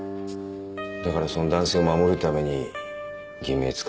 だからその男性を守るために偽名使ったんだろう。